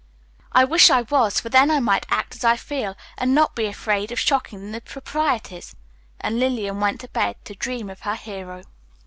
"I wish I was, for then I might act as I feel, and not be afraid of shocking the proprieties." And Lillian went to bed to dream of her hero.